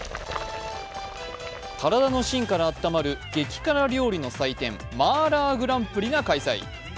体の芯からあったまる激辛料理の祭典、麻辣グランプリが開催。